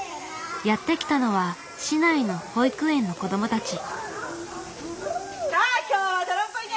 やって来たのは市内の保育園の子どもたち。